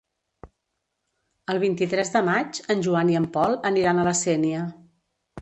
El vint-i-tres de maig en Joan i en Pol aniran a la Sénia.